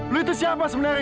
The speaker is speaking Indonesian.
lu itu siapa sebenernya